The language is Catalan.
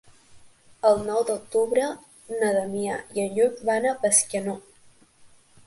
El nou d'octubre na Damià i en Lluc van a Bescanó.